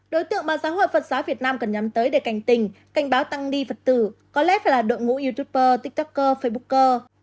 đối tượng mà xã hội phật giáo việt nam cần nhắm tới để cảnh tình cảnh báo tăng ni phật tử có lẽ phải là đội ngũ youtuber tiktoker facebooker